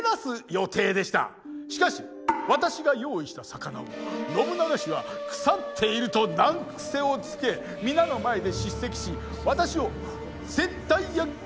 しかし私が用意した魚を信長氏は腐っていると難癖をつけ皆の前で叱責し私を接待役から解任したのです。